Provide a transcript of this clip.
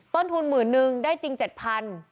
ต้นทุนหมื่นนึงได้จริง๗๐๐บาท